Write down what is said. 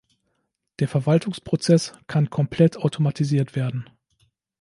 Der Verwaltungsprozess kann komplett automatisiert werden.